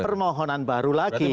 permohonan baru lagi